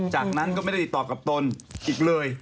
จากนั้นก็ไม่ได้ติดต่อกับตนอีกเลย